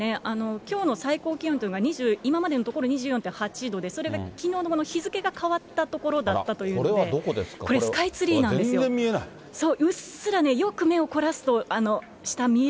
きょうの最高気温というのが今までのところ２４．８度で、それがきのうの日が変わったところということで、これはスカイツリーなんです全然見えない。